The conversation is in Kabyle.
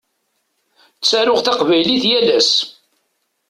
Ttaruɣ taqbaylit yal ass.